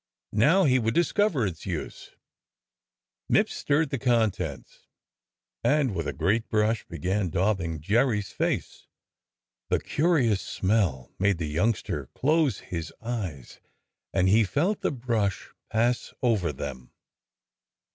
Now he would discover its use, Mipps stirred the contents and with a great brush began daubing Jerry's face. The curious smell made the youngster close his eyes and he felt the brush pass over them.